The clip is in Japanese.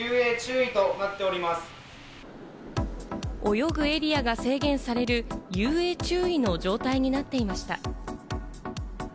泳ぐエリアが制限される遊泳注意の状態になっていました。